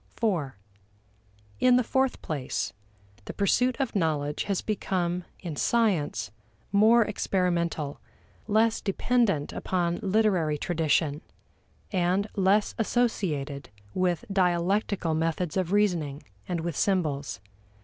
(iv) In the fourth place, the pursuit of knowledge has become, in science, more experimental, less dependent upon literary tradition, and less associated with dialectical methods of reasoning, and with symbols.